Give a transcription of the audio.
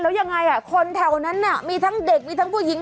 แล้วยังไงคนแถวนั้นมีทั้งเด็กมีทั้งผู้หญิง